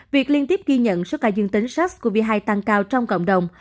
việc liên tiếp ghi nhận số ca dương tính sars cov hai tăng cao trong cộng đồng